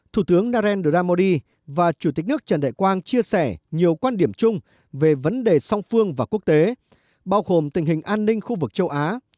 thủ tướng narendra modi và chủ tịch nước trần đại quang chia sẻ nhiều quan điểm chung về vấn đề song phương và quốc tế bao gồm tình hình an ninh khu vực châu á